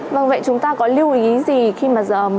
vâng vậy chúng ta có lưu ý gì khi mà